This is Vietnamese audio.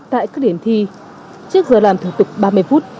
tại các điểm thi trước giờ làm thủ tục ba mươi phút